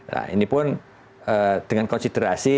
nah ini pun dengan konsiderasi